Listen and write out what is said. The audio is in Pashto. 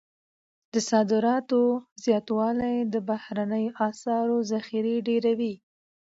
د صادراتو زیاتوالی د بهرنیو اسعارو ذخیرې ډیروي.